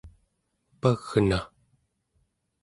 pagna